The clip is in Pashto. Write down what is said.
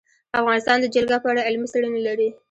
افغانستان د جلګه په اړه علمي څېړنې لري.